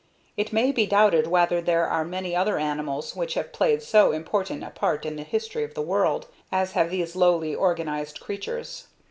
It may be doubted whether there are many other animals which have played so important a part in the history of the world, as have these lowly organized creatures."